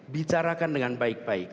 bicarakan dengan baik baik